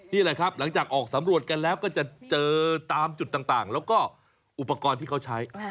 นี่แหละครับหลังจากออกสำรวจกันแล้วก็จะเจอตามจุดต่างแล้วก็อุปกรณ์ที่เขาใช้